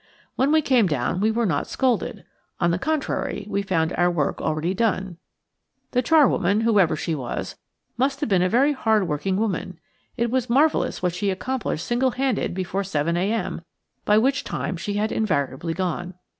When we came down we were not scolded. On the contrary, we found our work already done. The charwoman–whoever she was–must have been a very hard working woman. It was marvellous what she accomplished single handed before seven a.m., by which time she had invariably gone.